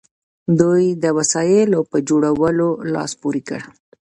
دوی د وسایلو په جوړولو لاس پورې کړ.